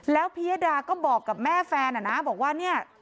แล้วพิยดาก็บอกกับแม่แฟนนะบอกว่า